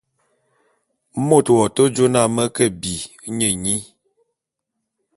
Mot w'ake jô na me ke bi nye nyi.